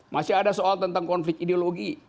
masih ada soal tentang konflik ideologi